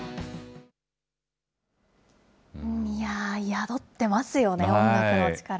宿ってますよね、音楽の力。